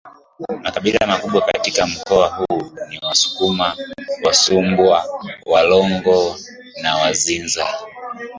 Makabila makubwa katika mkoa huu ni Wasukuma Wasumbwa Walongo na Wazinza